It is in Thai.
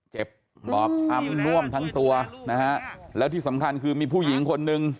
เจ็บบอบช้ำน่วมทั้งตัวนะฮะแล้วที่สำคัญคือมีผู้หญิงคนนึง